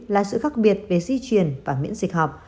là sự khác biệt về di chuyển và miễn dịch học